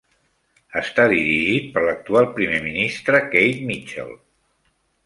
Està dirigit per l'actual primer ministre, Keith Mitchell.